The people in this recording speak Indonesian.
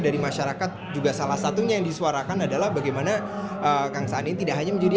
dari masyarakat juga salah satunya yang disuarakan adalah bagaimana kang saan ini tidak hanya menjadi